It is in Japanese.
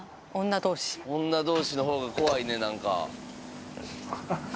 女同士のほうが怖いね何か。